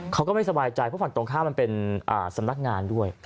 เขาก็ไม่สบายใจเพราะฝั่งตรงข้ามมันเป็นสำนักงานด้วย